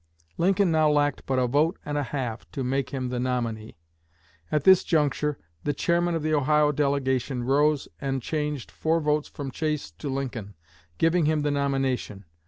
Lincoln now lacked but a vote and a half to make him the nominee. At this juncture, the chairman of the Ohio delegation rose and changed four votes from Chase to Lincoln, giving him the nomination.